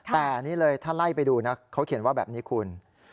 แต่นี่เลยถ้าไล่ไปดูนะเขาเขียนว่าแบบนี้คุณ